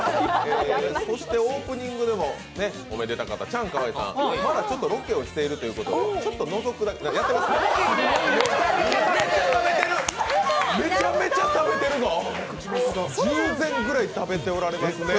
そしてオープニングでもおめでたかったチャンカワイさん、まだロケをしているということでちょっとのぞくだけやってますね。